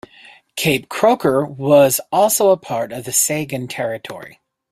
Cape Croker was also part of Saugeen Territory.